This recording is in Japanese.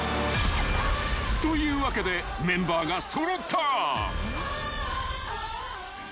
［というわけでメンバーが揃った］